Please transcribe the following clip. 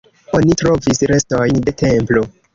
Oni trovis restojn de templo.